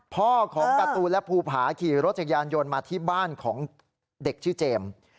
พ่อของการ์ตูนและภูผาขี่รถจักรยานยนต์มาที่บ้านของเด็กชื่อเจมส์